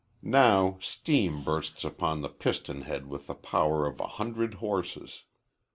Now steam bursts upon the piston head with the power of a hundred horses.